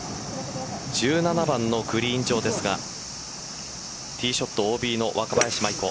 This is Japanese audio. １７番のグリーン上ですがティーショットＯＢの若林舞衣子。